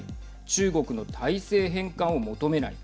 中国の体制変換を求めない。